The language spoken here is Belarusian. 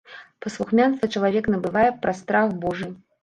Паслухмянства чалавек набывае праз страх божы.